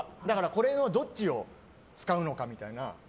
どっちを使うのかみたいな。